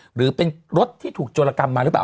หรือเป็นรถที่ถูกโจรกรรมมาหรือเปล่า